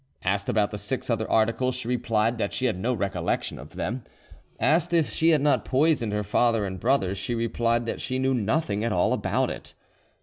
Asked about the six other articles she replied that she had no recollection of them. Asked if she had not poisoned her father and brothers, she replied that she knew nothing at all about it.